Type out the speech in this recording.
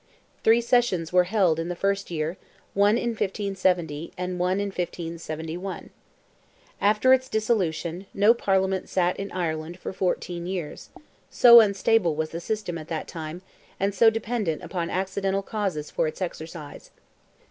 Three sessions were held in the first year, one in 1570, and one in 1571. After its dissolution, no Parliament sat in Ireland for fourteen years—so unstable was the system at that time, and so dependent upon accidental causes for its exercise.